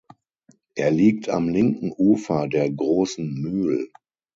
Er liegt am linken Ufer der Großen Mühl.